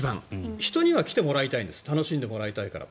人には来てもらいたいんです楽しんでもらいたいから。